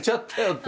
って。